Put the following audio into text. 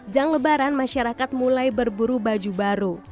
jang lebaran masyarakat mulai berburu baju baru